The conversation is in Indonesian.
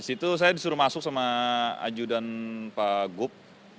itu saya disuruh masuk sama aju dan pak guf